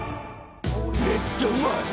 めっちゃうまい！